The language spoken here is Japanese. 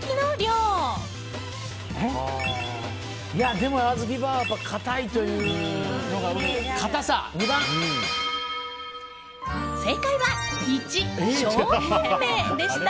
でも、あずきバーは硬いのが正解は１、商品名でした！